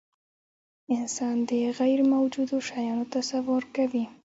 انسان د غیرموجودو شیانو تصور کوي.